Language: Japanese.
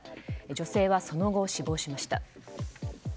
女性はその後、死亡しました。